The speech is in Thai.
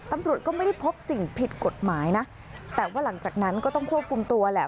ตำรวจก็ไม่ได้พบสิ่งผิดกฎหมายนะแต่ว่าหลังจากนั้นก็ต้องควบคุมตัวแหละ